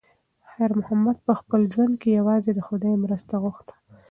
خیر محمد په خپل ژوند کې یوازې د خدای مرسته غوښته.